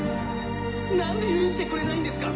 何で許してくれないんですか！